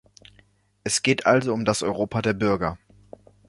Es geht also um das Europa der Bürger.